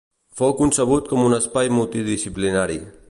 Fou concebut com un espai multidisciplinari.